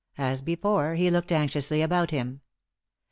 As before, he looked anxiously about him.